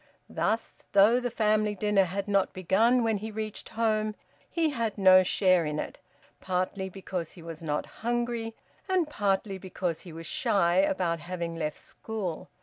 Thus, though the family dinner had not begun when he reached home, he had no share in it, partly because he was not hungry, and partly because he was shy about having left school.